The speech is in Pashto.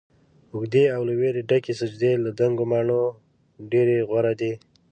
اوږدې او له ويرې ډکې سجدې له دنګو ماڼیو ډيرې غوره دي